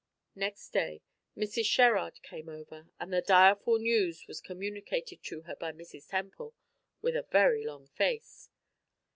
Next day, Mrs. Sherrard came over, and the direful news was communicated to her by Mrs. Temple, with a very long face.